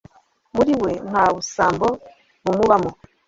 Muri we ntabusambo bumubamo